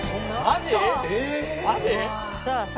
マジ？